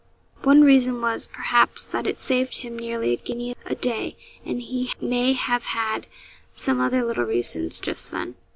One reason was, perhaps, that it saved him nearly a guinea a day, and he may have had some other little reasons just then.